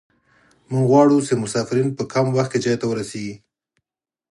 موږ غواړو چې مسافرین په کم وخت کې ځای ته ورسیږي